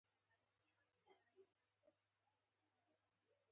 د غوښې پخولو لارې مختلفې دي.